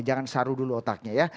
jangan saru dulu otaknya ya